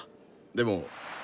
でも。